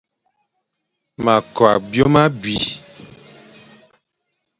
Ma kw byôm abi.